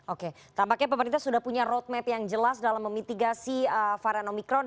oke tampaknya pemerintah sudah punya roadmap yang jelas dalam memitigasi varian omikron